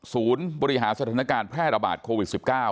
บริหารสถานการณ์แพร่ระบาดโควิด๑๙